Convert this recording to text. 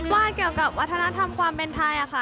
วาดเกี่ยวกับวัฒนธรรมความเป็นไทยค่ะ